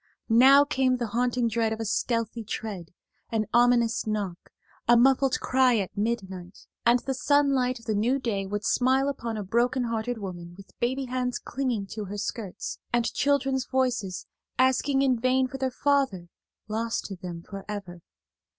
Now came the haunting dread of a stealthy tread, an ominous knock, a muffled cry at midnight, and the sunlight of the new day would smile upon a broken hearted woman with baby hands clinging to her skirts, and children's voices asking in vain for their father lost to them forever.